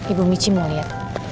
ibu mici mau lihat